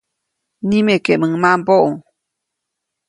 Nimekeʼmuŋ mambäʼu.